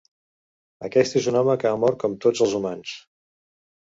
Aquest és un home que ha mort com tots els humans.